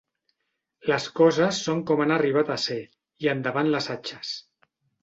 Les coses són com han arribat a ser i endavant les atxes.